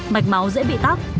mạch máu dễ bị tác